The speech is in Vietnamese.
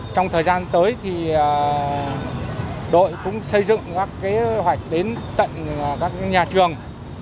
trong thời gian tới thì đội cũng xây dựng các kế hoạch đến tận các nhà trường